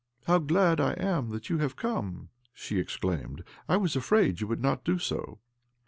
" How glad I am that you have come !" she exclaimed. " I was afraid you would not do so."